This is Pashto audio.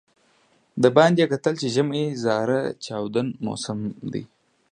د باندې یې کتل چې ژمی زاره چاودون موسم دی.